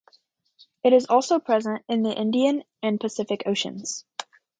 It is also present in the Indian and Pacific Oceans.